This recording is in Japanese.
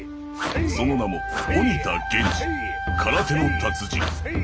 その名も鬼田源次空手の達人。